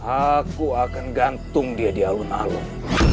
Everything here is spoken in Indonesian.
aku akan gantung dia di alun alun